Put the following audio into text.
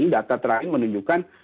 data terakhir menunjukkan